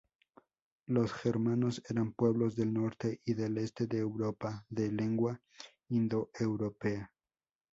Los germanos eran pueblos del norte y del este de Europa, de lengua indoeuropea.